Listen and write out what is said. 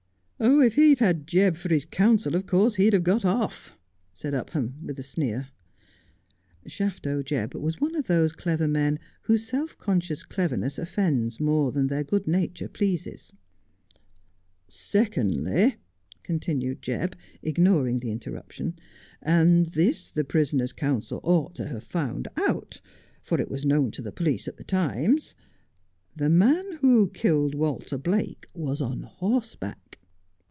' If he'd had Jebb for his counsel of course he'd have got off,' said Upham, with a sneer. Shafto Jebb was one of those clever men whose self conscious cleverness offends more than their good nature pleases. ' Secondly,' continued Jebb, ignoring the interruption, —' and this the prisoner's counsel ought to have found out, for it was known to the police at the time — the man who killed Walter Blake was on horseback.'